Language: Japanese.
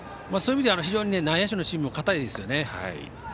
そういう意味では非常に内野手の守備も堅いですよね。